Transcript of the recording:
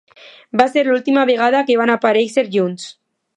Va ser l'última vegada que van aparèixer junts.